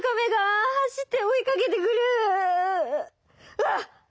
うわっ！